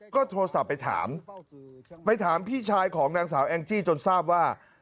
ก็โทรศัพท์ไปถามไปถามพี่ชายของนางสาวแองจี้จนทราบว่า